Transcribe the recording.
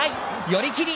寄り切り。